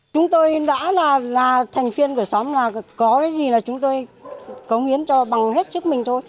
chúng tôi đã là thành viên của xóm là có cái gì là chúng tôi cống hiến cho bằng hết trước mình thôi